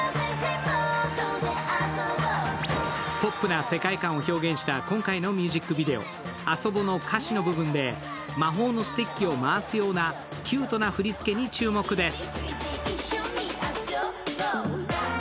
ポップな世界観を表現した今回のミュージックビデオ、「ＡＳＯＢＯ」の歌詞の部分で魔法のステッキを回すようなキュートな振り付けに注目です。